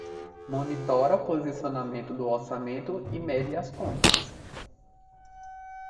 Monitora o posicionamento do orçamento e mede as contas.